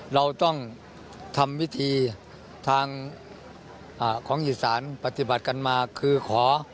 เราต้องทำวิธีทางของอีสานปฏิบัติกันมาคือขอ